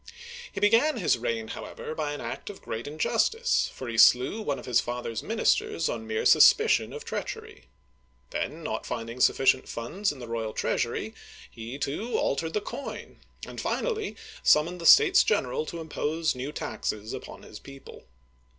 ^ He began his reign, however, by an act of great injus tice, for he slew one of his father's ministers on mere sus picion of treachery. Then, not finding sufficient funds in the royal treasury, he, too, altered the coin, and finally summoned the States General to impose new taxes upon his people.